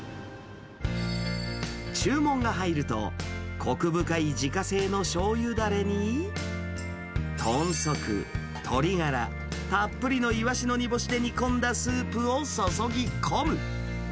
注文が入ると、こく深い自家製のしょうゆだれに、豚足、鶏ガラ、たっぷりのイワシの煮干しで煮込んだスープを注ぎ込む。